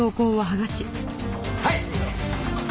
はい！